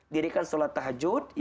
dirikan salat tahajud